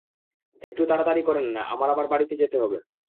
একটু তাড়াতাড়ি করেন না, আমার আবার বাড়িতে যেতে হবে।